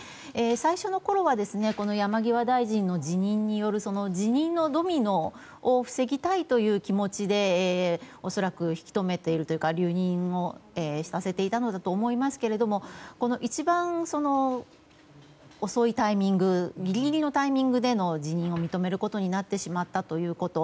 最初のころは山際大臣の辞任による辞任のドミノを防ぎたいという気持ちで恐らく引き留めているというか留任をさせていたのだと思いますが一番遅いタイミングギリギリのタイミングでの辞任を認めることになってしまったということ。